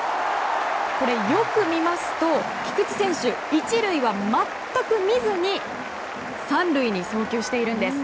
これ、よく見ますと菊池選手１塁は全く見ずに３塁に送球しているんです。